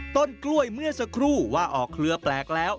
ต้นกล้วยเมื่อสักครู่ว่าออกเครือแปลกแล้ว